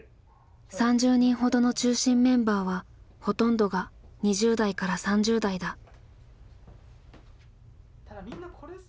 ３０人ほどの中心メンバーはほとんどが２０代から３０代だ。